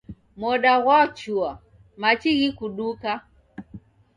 Moda ghwachua, machi ghikuduka.